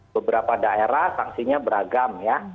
beberapa daerah sanksinya beragam ya